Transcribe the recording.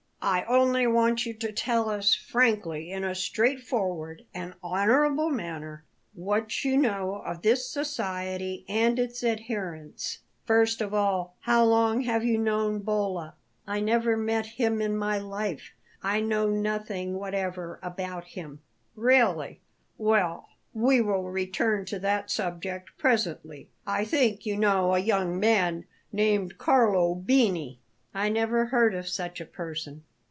"I only want you to tell us frankly, in a straightforward and honourable manner, what you know of this society and its adherents. First of all, how long have you known Bolla?" "I never met him in my life. I know nothing whatever about him." "Really? Well, we will return to that subject presently. I think you know a young man named Carlo Bini?" "I never heard of such a person."